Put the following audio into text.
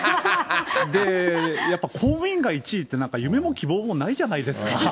やっぱり公務員が１位って、夢も希望もないじゃないですか。